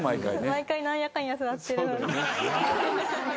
毎回何やかんや座ってる。